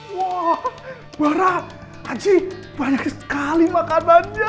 wah barat aji banyak sekali makanannya